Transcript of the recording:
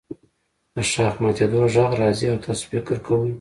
د ښاخ ماتیدو غږ راځي او تاسو فکر کوئ